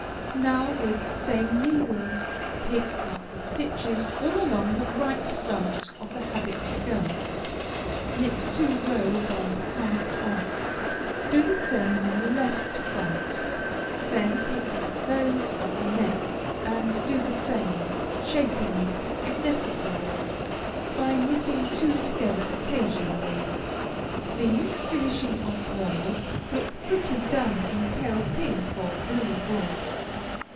Now, with same needles, pick up the stitches all along the right front of the habit shirt; knit two rows and cast off. Do the same on the left front. Then pick up those of the neck, and do the same, shaping it, if necessary, by knitting two together occasionally. These finishing off rows look pretty done in pale pink or blue wool.